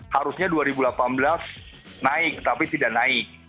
harusnya dua ribu delapan belas naik tapi tidak naik